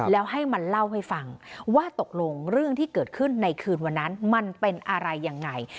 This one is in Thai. แล้วให้มันเล่าให้ฟังว่าตกลงเรื่องที่เกิดขึ้นในคืนวันนั้นมันเป็นอะไรยังไง